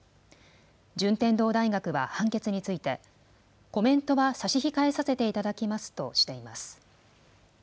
順天堂大学は判決について、コメントは差し控えさせていただきますとしています。